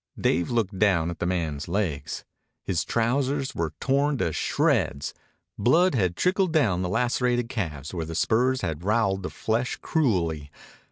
Dave looked down at the man's legs. His trousers were torn to shreds. Blood trickled down the lacerated calves where the spurs had roweled the flesh cruelly.